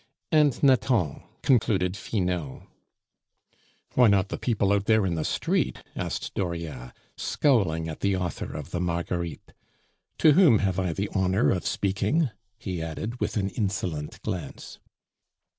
" and Nathan," concluded Finot. "Why not the people out there in the street?" asked Dauriat, scowling at the author of the Marguerites. "To whom have I the honor of speaking?" he added, with an insolent glance.